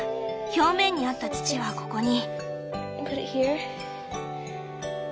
表面にあった土はここに。